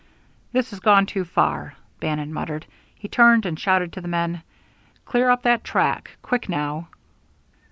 "This has gone too far," Bannon muttered. He turned and shouted to the men: "Clear up that track. Quick, now!"